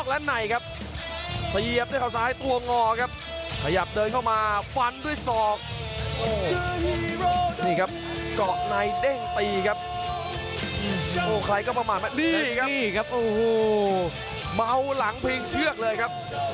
ใครก็ประมาณแบบนี้ครับมาเอาหลังเพียงเชือกเลยครับ